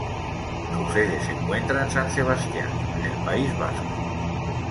Su sede se encuentra en San Sebastián, en el País Vasco.